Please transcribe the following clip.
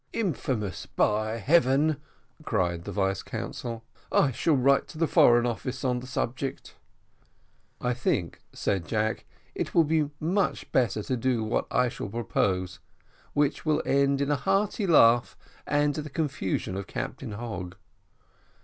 "Infamous, by heavens!" cried the vice consul; "I shall write to the Foreign Office on the subject." "I think," said Jack, "it will be much better to do what I shall propose, which will end in a hearty laugh, and to the confusion of Captain Hogg.